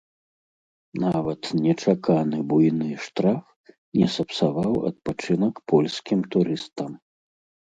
Нават нечаканы буйны штраф не сапсаваў адпачынак польскім турыстам.